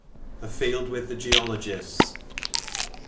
AFIELD WITH THE GEOLOGISTS.